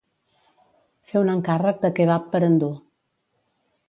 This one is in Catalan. Fer un encàrrec de kebab per endur.